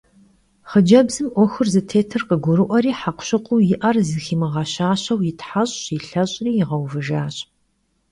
Xhıcebzım 'Uexur zıtêtır khıgurı'ueri hekhuşıkhuu yi'er zeximığeşaşeu yitheş'ş, yilheş'ri yiğeuvıjjaş.